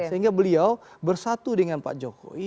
sehingga beliau bersatu dengan pak jokowi